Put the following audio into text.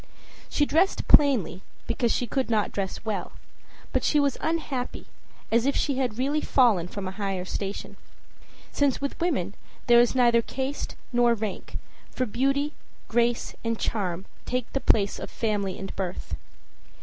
She dressed plainly because she could not dress well, but she was unhappy as if she had really fallen from a higher station; since with women there is neither caste nor rank, for beauty, grace and charm take the place of family and birth.